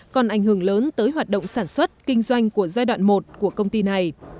còn ảnh hưởng lớn tới hoạt động sản xuất kinh doanh của giai đoạn một của công ty này